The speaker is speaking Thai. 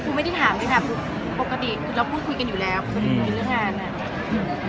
คุณไม่ได้ถามคุณถาม